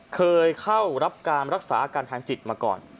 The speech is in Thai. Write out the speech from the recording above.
เคยเข้ารับการรักษาอาการทางจิตมาก่อน